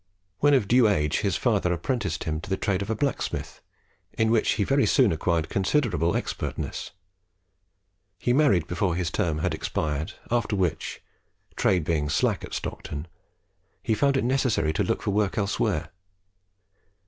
When of due age his father apprenticed him to the trade of a blacksmith, in which he very soon acquired considerable expertness. He married before his term had expired; after which, trade being slack at Stockton, he found it necessary to look for work elsewhere.